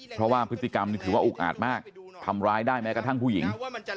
เพราะว่าพฤติกรรมถือว่าอุกอาจมากทำร้ายได้แม้กระทั่งผู้หญิง